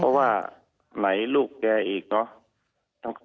เพราะว่าไหลลูกแกอีกเนอะ